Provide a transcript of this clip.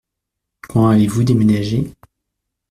Quand allez-vous déménager ?